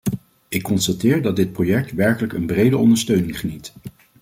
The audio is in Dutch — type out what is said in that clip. Ik constateer dat dit project werkelijk een brede ondersteuning geniet.